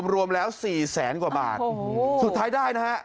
รวมแล้ว๔แสนกว่าบาทสุดท้ายได้นะฮะ